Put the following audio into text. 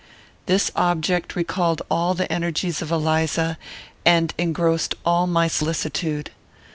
This object recalled all the energies of Eliza, and engrossed all my solicitude.